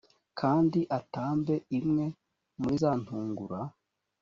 kandi atambe imwe muri za ntungura